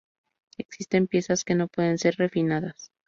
Existen piezas que no pueden ser refinadas.